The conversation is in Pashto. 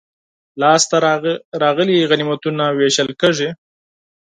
لاسته راغلي غنیمتونه وېشل کیږي.